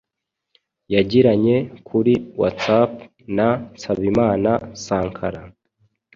yagiranye kuri WhatsApp na Nsabimana 'Sankara',